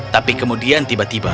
tapi kemudian tiba tiba